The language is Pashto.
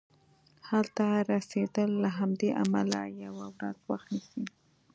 هلته رسیدل له همدې امله یوه ورځ وخت نیسي.